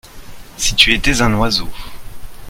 si tu étais un oiseau.